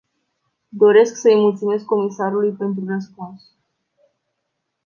Doresc să îi mulțumesc comisarului pentru răspuns.